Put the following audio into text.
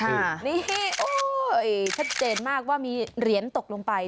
นี่โอ้ยชัดเจนมากว่ามีเหรียญตกลงไป